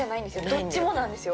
どっちもなんですよ